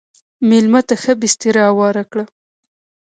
مېلمه ته ښه بستر هوار کړه.